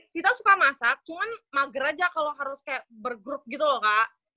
sita suka masak cuman mager aja kalau harus kayak burgrup gitu loh kak